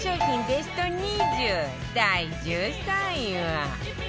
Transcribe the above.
ベスト２０第１３位は